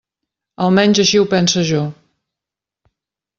Almenys així ho pense jo.